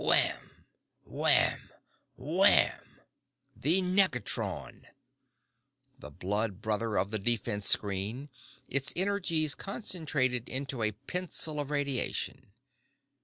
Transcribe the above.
Wham, wham, wham! The negatron! The blood brother of the defense screen, its energies concentrated into a pencil of radiation.